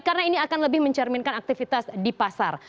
karena ini akan lebih mencerminkan aktivitas di pasar